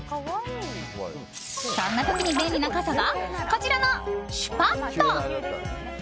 そんな時に便利な傘がこちらのシュパット。